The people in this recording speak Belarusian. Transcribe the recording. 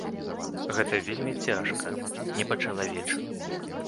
Гэта вельмі цяжка, не па-чалавечы.